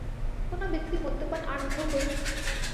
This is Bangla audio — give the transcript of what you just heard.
কোন ব্যক্তি মদ্যপান আরম্ভ করুক।